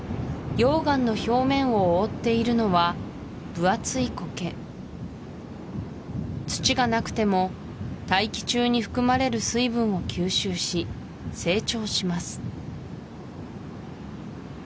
溶岩の表面を覆っているのは分厚いコケ土がなくても大気中に含まれる水分を吸収し成長します